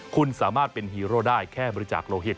คุณสามารถเป็นฮีโร่ได้แค่บริจาคโลหิต